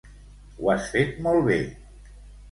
Ho has fet molt bé.